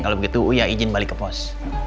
kalau begitu wia izin balik ke pos